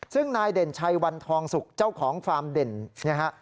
ซึ่งนายเด่นชัยวันทองสุกเจ้าของฟาร์มเด่นนะฮะ